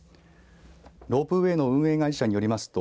ロープウエーの運営会社によりますと